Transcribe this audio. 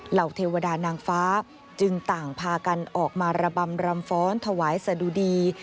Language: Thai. เทวดานางฟ้าจึงต่างพากันออกมาระบำรำฟ้อนถวายสะดุดี